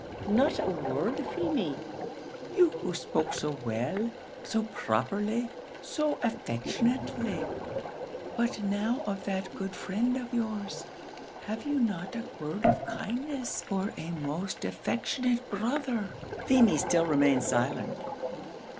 not a word, Feemy? you who spoke so well, so properly, so affectionately, but now of that good friend of yours have you not a word of kindness for a most affectionate brother?" Feemy still remained silent.